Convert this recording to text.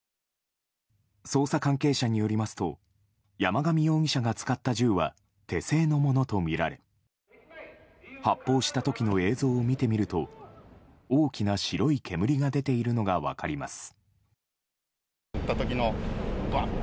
捜査関係者によりますと山上容疑者が使った銃は手製のものとみられ発砲した時の映像を見てみると大きな白い煙が出ているのが分かります。